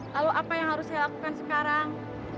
lalu apa yang harus saya lakukan sekarang